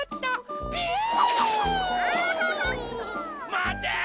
まて！